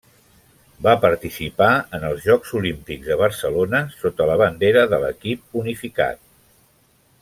Va participar en els Jocs Olímpics de Barcelona sota la bandera de l'Equip Unificat.